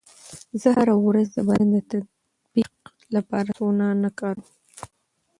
زه هره ورځ د بدن د تطبیق لپاره سونا نه کاروم.